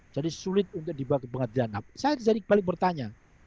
jadi sulit untuk dibuat kepengetaan saya jadi balik bertanya